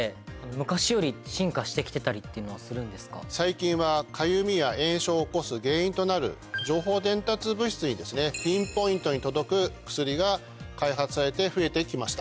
最近はかゆみや炎症を起こす原因となる情報伝達物質にピンポイントに届く薬が開発されて増えてきました。